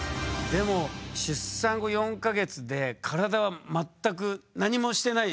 でも出産後４か月で体は全く何もしてない？